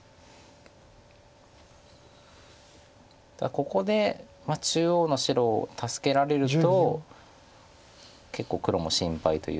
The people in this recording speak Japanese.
ここで中央の白を助けられると結構黒も心配というか。